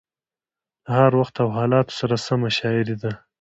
له هر وخت او حالاتو سره سمه شاعري ده.